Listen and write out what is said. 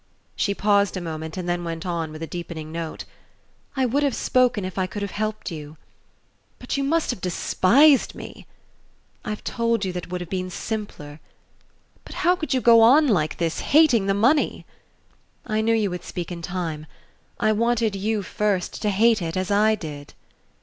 She paused a moment and then went on with a deepening note "I would have spoken if I could have helped you." "But you must have despised me." "I've told you that would have been simpler." "But how could you go on like this hating the money?" "I knew you would speak in time. I wanted you, first, to hate it as I did."